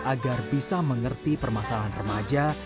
agar bisa mengerti permasalahan remaja